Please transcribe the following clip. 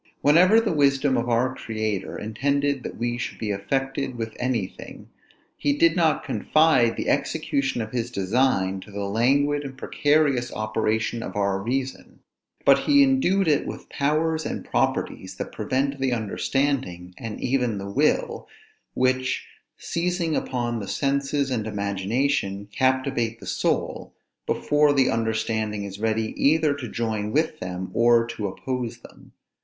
Whenever the wisdom of our Creator intended that we should be affected with anything, he did not confide the execution of his design to the languid and precarious operation of our reason; but he endued it with powers and properties that prevent the understanding, and even the will; which, seizing upon the senses and imagination, captivate the soul, before the understanding is ready either to join with them, or to oppose them.